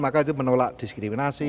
maka itu menolak diskriminasi